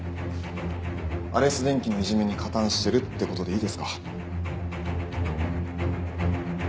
アレス電機のいじめに加担してるってことでいいですか？